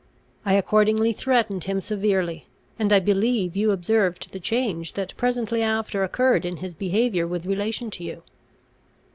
I accordingly threatened him severely; and I believe you observed the change that presently after occurred in his behaviour with relation to you."